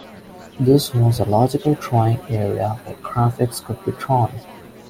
This was a logical drawing area where graphics could be drawn.